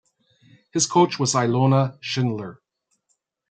His coach was Ilona Schindler.